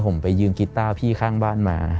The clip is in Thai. ผมไปยืมกีต้าพี่ข้างบ้านมา